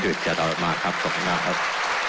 โดยเจ้าตลอดมาครับขอบคุณมากครับ